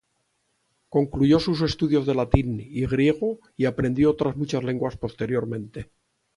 Concluyó sus estudios de latín y griego y aprendió otras lenguas posteriormente.